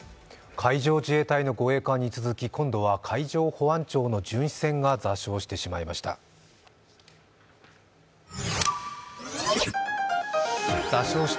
海上自衛隊の護衛艦に続き今度は海上保安庁の巡視船が座礁してしまいました。